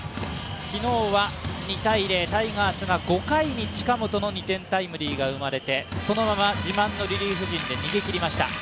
昨日は２−０、タイガースが５回に近本のタイムリーが生まれて、そのまま自慢のリリーフ陣で逃げ切りました。